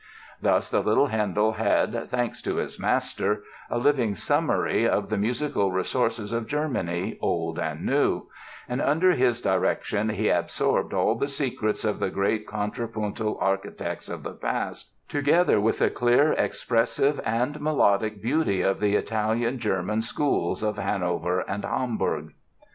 Thus the little Handel had, thanks to his master, a living summary of the musical resources of Germany, old and new; and under his direction he absorbed all the secrets of the great contrapuntal architects of the past, together with the clear expressive and melodic beauty of the Italian German schools of Hanover and Hamburg."